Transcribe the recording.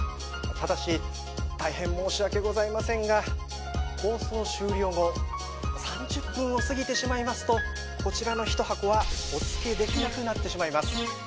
ただし大変申し訳ございませんが放送終了後３０分を過ぎてしまいますとこちらの１箱はお付けできなくなってしまいます。